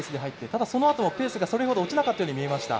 ただ、そのあともペースがそれほど落ちなかったようにも見えました。